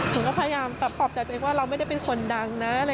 หนูก็พยายามตัดตอบจากใจว่าเราไม่ได้เป็นคนดังนะอะไรอย่างนี้